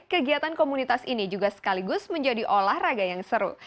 kegiatan komunitas ini juga sekaligus menjadi olahraga yang seru